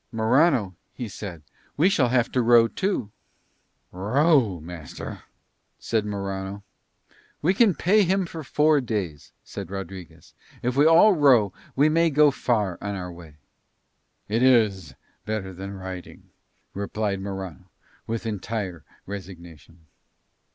"Morano," he said, "we shall have to row too." "Row, master?" said Morano. "We can pay him for four days," said Rodriguez. "If we all row we may go far on our way." "It is better than riding," replied Morano with entire resignation.